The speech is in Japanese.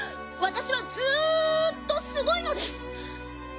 私はずっとすごいのです。